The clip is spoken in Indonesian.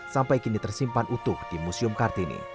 sampai kini tersimpan utuh di museum kartini